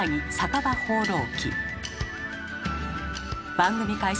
番組開始